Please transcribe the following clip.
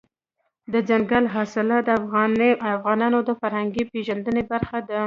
دځنګل حاصلات د افغانانو د فرهنګي پیژندنې برخه ده.